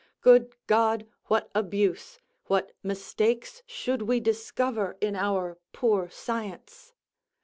Good God, what abuse, what mistakes should we discover in our poor science!